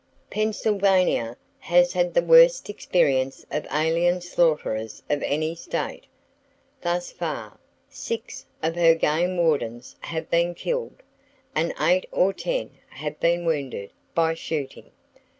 [Page 103] Pennsylvania has had the worst experience of alien slaughterers of any state, thus far. Six of her game wardens have been killed, and eight or ten have been wounded, by shooting!